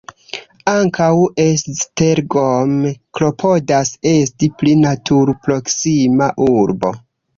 Ankaŭ Esztergom klopodas esti pli natur-proksima urbo.